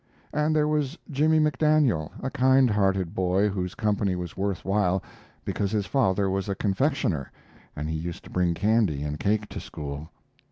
And there was Jimmy McDaniel, a kind hearted boy whose company was worth while, because his father was a confectioner, and he used to bring candy and cake to school.